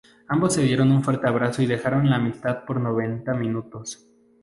Ambos se dieron un fuerte abrazo y dejaron la amistad por noventa minutos.